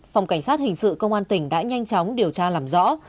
phòng cảnh sát hình sự công an tỉnh đã nhanh chóng điều tra làm rõ